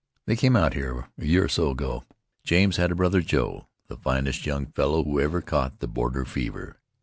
They came out here a year or so ago. James had a brother Joe, the finest young fellow who ever caught the border fever.